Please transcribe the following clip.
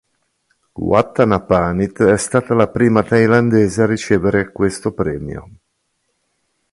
Wattanapanit è stata la prima thailandese a ricevere questo premio.